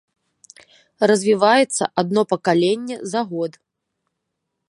Развіваецца адно пакаленне за год.